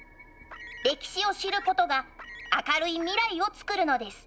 歴史を知ることが明るい未来をつくるのです。